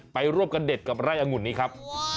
ไปร่วมกันเด็ดกับไร่อังุ่นนี้ครับ